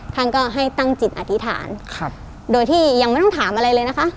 ท่านก็ให้ตั้งจิตอธิษฐานโดยที่ยังไม่ต้องถามอะไรเลยนะคะ